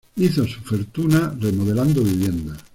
Hizo su fortuna remodelando viviendas.